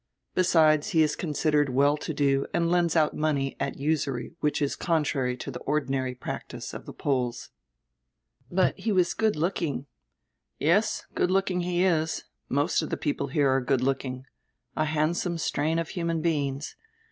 Besides, he is considered well to do and lends out money at usury which is contrary to die ordinary practice of die Poles." "But he was good looking." "Yes, good looking he is. Most of die people here are good looking. A handsome strain of human beings.